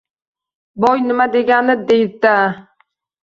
Boy nima degani deda